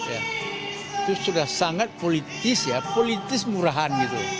itu sudah sangat politis ya politis murahan gitu